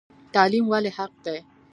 تعلیم ولې حق دی؟